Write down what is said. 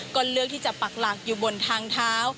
ก็เลือกที่จะปักหลักอยู่บนทางเท้า